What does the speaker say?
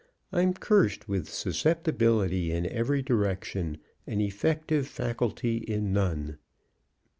I'm cursed with susceptibility in every direction, and effective faculty in none.